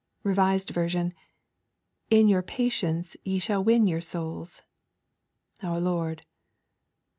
(Revised Version: 'In your patience ye shall win your souls.') Our Lord.